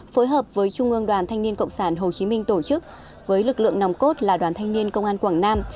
phối hợp với trung ương đoàn thanh niên cộng sản hồ chí minh tổ chức với lực lượng nòng cốt là đoàn thanh niên công an quảng nam